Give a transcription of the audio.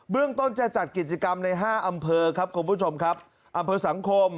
เปิดกิจกรรมในห้าอำเภอครับคุณผู้ชมครับอำเภอสังคม